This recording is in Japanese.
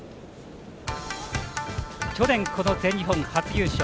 去年この全日本初優勝。